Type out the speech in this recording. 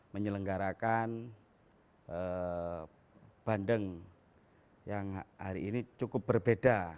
menyelenggarakan bandeng yang hari ini cukup berbeda